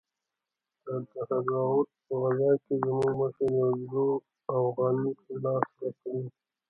د دهراوت په غزا کښې زموږ مشر يو څو اوغانۍ په لاس راکړې وې.